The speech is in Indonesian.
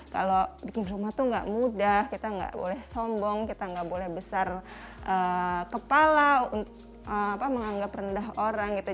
kalau bikin rumah tuh gak mudah kita nggak boleh sombong kita nggak boleh besar kepala menganggap rendah orang gitu